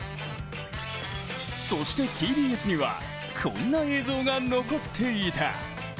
そしてＴＢＳにはこんな映像が残っていた。